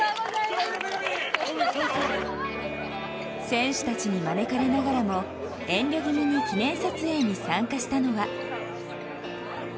選手たちに招かれながらも遠慮気味に記念撮影に参加したのは。